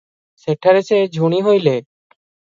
ସେଠାରେ ସେ ଝୁଣି ହୋଇଲେ ।